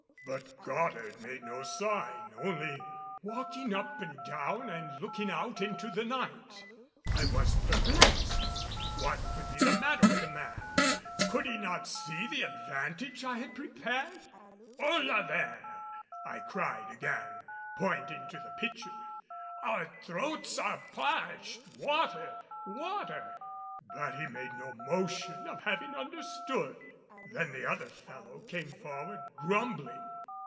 But Goddard made no sign, only walking up and down and looking out into the night. I was perplexed. What could be the matter with the man? Could he not see the advantage I had prepared? "Hola, there!" I cried again, pointing to the pitcher, "our throats are parched. Water! water!" But he made no motion of having understood. Then the other fellow came forward grumbling.